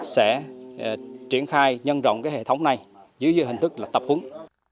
sẽ triển khai nhân rộng cái hệ thống này dưới hình thức là tập hướng